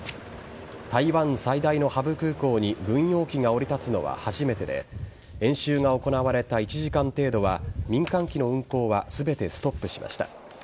台湾最大のハブ空港に軍用機が降り立つのは初めてで演習が行われた１時間程度は民間機の運航は全てストップしました。